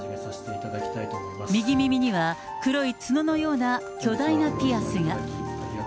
右耳には黒い角のような巨大なピアスが。